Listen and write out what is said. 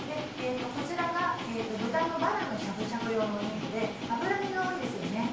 こちらが豚のバラのしゃぶしゃぶ用の肉で脂身が多いですよね。